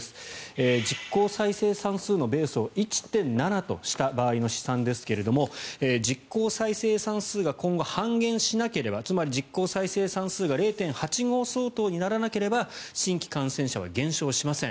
実効再生産数のベースを１．３とした予測ですが今後、半減しなければつまり実効再生産数が０．８５相当にならなければ新規感染者は減少しません。